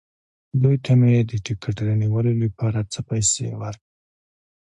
دوی ته مې د ټکټ رانیولو لپاره څه پېسې ورکړې.